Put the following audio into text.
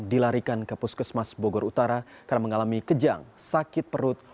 dilarikan ke puskesmas bogor utara karena mengalami kejang sakit perut